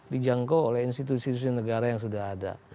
dijangkau oleh institusi institusi negara yang sudah ada